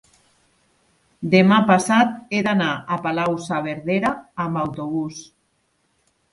demà passat he d'anar a Palau-saverdera amb autobús.